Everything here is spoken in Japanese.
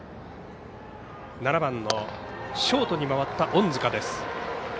７番のショートに回った隠塚。